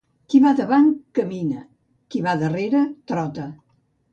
Qui va davant, camina; qui va darrere, trota.